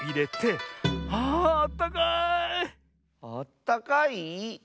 あったかい？